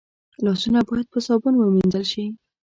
لاسونه باید په صابون ومینځل شي